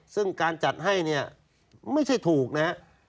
ซึ่งการจัดให้นี่ไม่ใช่ถูกนะ